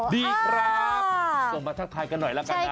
ดีครับส่งมาทักทายกันหน่อยแล้วกันนะ